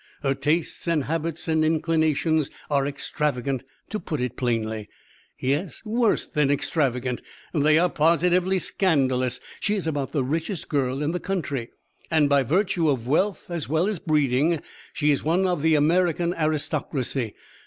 Her tastes and habits and inclinations are extravagant, to put it plainly yes, worse than extravagant; they are positively scandalous. She is about the richest girl in the country, and by virtue of wealth as well as breeding she is one of the American aristocracy.